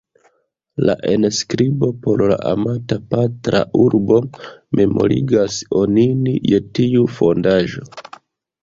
La enskribo "Por la amata patra urbo" memorigas onin je tiu fondaĵo.